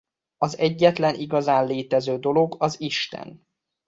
Az egyetlen igazán létező dolog az Isten.